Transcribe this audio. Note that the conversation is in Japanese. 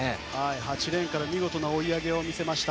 ８レーンから見事な追い上げを見せました。